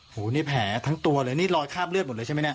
โหนี่แผลทั้งตัวเลยนี่รอยคาบเลือดหมดเลยใช่ไหมเนี่ย